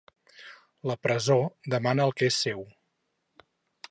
La presó demana el que és seu.